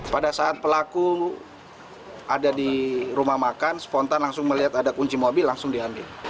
pada saat pelaku ada di rumah makan spontan langsung melihat ada kunci mobil langsung diambil